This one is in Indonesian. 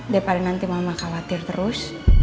daripada nanti mama khawatir terus